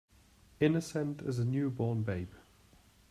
Innocent as a new born babe.